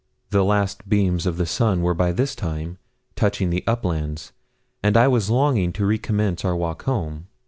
The last beams of the sun were by this time touching the uplands, and I was longing to recommence our walk home.